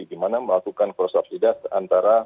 di mana melakukan cross optidize